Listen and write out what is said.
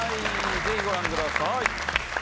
ぜひご覧ください。